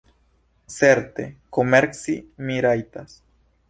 Certe, komerci mi rajtas.